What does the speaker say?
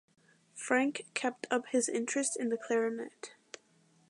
Frank kept up his interest in the clarinet.